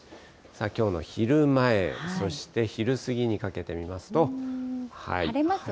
きょうの昼前、晴れますね。